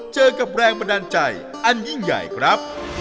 เจอกับแรงบันดาลใจอันยิ่งใหญ่ครับ